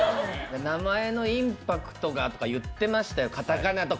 名前のインパクトがとか言ってましたよ。